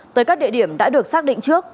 tới các địa điểm đã được xác định trước